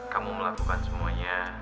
kamu melakukan semuanya